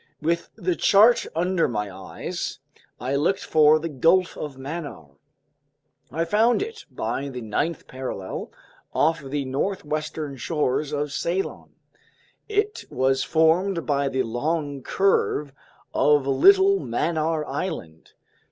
With the chart under my eyes, I looked for the Gulf of Mannar. I found it by the 9th parallel off the northwestern shores of Ceylon. It was formed by the long curve of little Mannar Island.